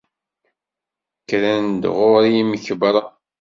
Kkren-d ɣur-i yemkebbren.